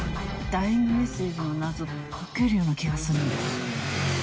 ダイイングメッセージの謎解けるような気がするんです。